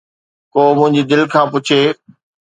ڪو منهنجي دل کان پڇي